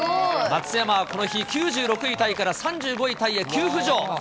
松山はこの日、９６位タイから３５位タイへ急浮上。